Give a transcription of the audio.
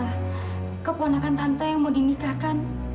nah keponakan tante yang mau dinikahkan